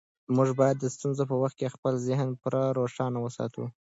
موږ باید د ستونزو په وخت کې خپل ذهن پوره روښانه وساتو.